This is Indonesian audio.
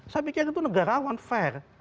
saya pikir itu negarawan fair